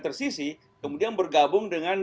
tersisi kemudian bergabung dengan